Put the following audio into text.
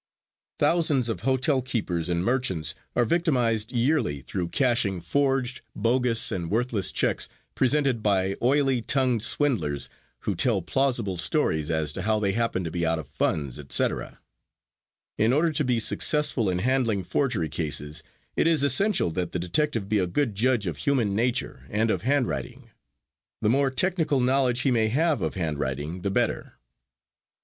Thousands of hotel keepers and merchants are victimized yearly through cashing forged, bogus and worthless checks presented by oily tongued swindlers who tell plausible stories as to how they happen to be out of funds, etc. In order to be successful in handling forgery cases it is essential that the detective be a good judge of human nature and of handwriting. The more technical knowledge he may have of handwriting the better.